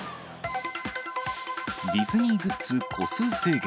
ディズニーグッズ個数制限。